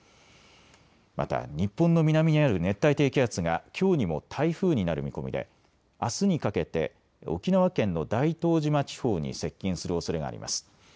また日本の南にある熱帯低気圧がきょうにも台風になる見込みであすにかけて沖縄県の大東島地方に接近するおそれがあります。